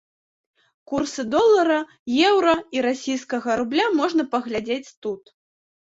Курсы долара, еўра і расійскага рубля можна паглядзець тут.